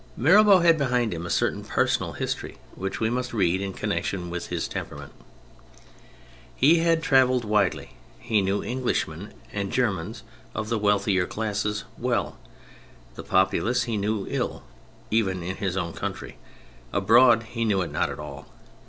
Mirabeau had behind him a certain personal history which we must read in connection with his temperament. He had travelled widely, he knew English men and Germans of the wealthier classes well. The populace he knew ill even in his own country; abroad he knew it not at all.